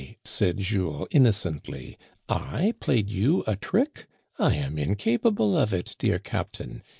" said Jules innocently, I played you a trick ? 1 am incapable of it, dear captain.